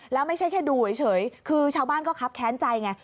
แล้วไม่ใช่แค่ดูเฉยคือชาวบ้านก็คับแค้นใจไง